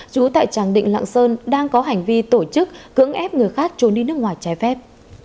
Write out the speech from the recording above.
chú tại tràng định lạng sơn đang có hành vi tổ chức cưỡng ép người khác trốn đi nước ngoài trái phép